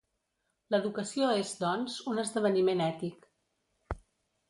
L'educació és, doncs, un esdeveniment ètic.